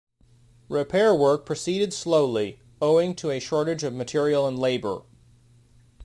Repair work proceeded slowly, owing to a shortage of material and labor.